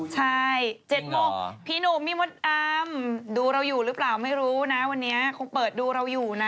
ใช่๗โมงพี่หนุ่มพี่มดอำดูเราอยู่หรือเปล่าไม่รู้นะวันนี้คงเปิดดูเราอยู่นะ